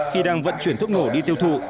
khi đang vận chuyển thuốc ngổ đi tiêu thụ